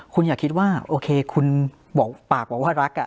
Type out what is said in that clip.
คุณอย่าคิดว่าโอเคคุณบอกปากบอกว่ารัก